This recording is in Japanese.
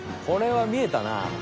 これはみえたな。